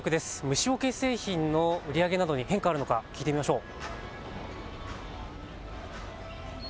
虫よけ製品の売り上げなどに変化があるのか、聞いてみましょう。